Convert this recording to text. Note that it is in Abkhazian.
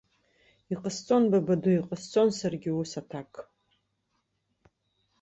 Иҟасҵон, бабаду, иҟасҵон саргьы ус аҭак!